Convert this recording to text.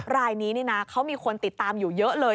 รายนี้นี่นะเขามีคนติดตามอยู่เยอะเลย